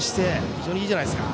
非常にいいじゃないですか。